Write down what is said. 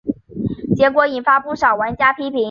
结果引发不少玩家批评。